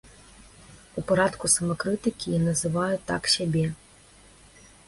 У парадку самакрытыкі я называю так сябе.